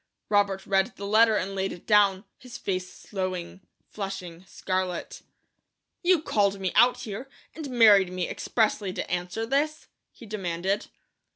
Robert read the letter and laid it down, his face slowing flushing scarlet. "You called me out here, and married me expressly to answer this?" he demanded.